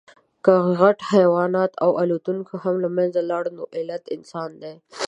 که غټ حیوانات او الوتونکي هم له منځه لاړل، نو علت انسان دی.